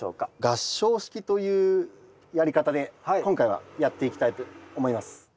合掌式というやり方で今回はやっていきたいと思います。